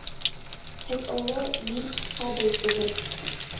Һеҙ оло, мин... сабый түгел...